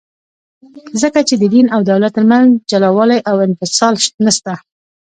ځکه چي د دین او دولت ترمنځ جلاوالي او انفصال نسته.